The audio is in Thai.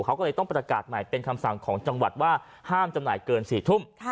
เขาก็เลยต้องประกาศใหม่เป็นคำสั่งของจังหวัดว่าห้ามจำหน่ายเกิน๔ทุ่ม